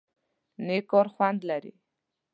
_نېک کار خوند نه لري؟